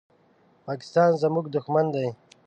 پاکستان زمونږ دوښمن دی